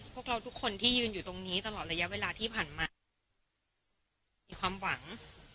พวกเราทุกคนที่ยืนอยู่ตรงนี้ตลอดระยะเวลาที่ผ่านมามีความหวัง